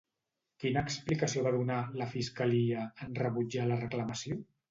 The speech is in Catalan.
Quina explicació va donar, la Fiscalia, en rebutjar la reclamació?